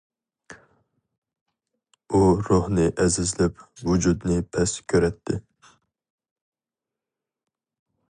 ئۇ روھنى ئەزىزلەپ، ۋۇجۇدنى پەس كۆرەتتى.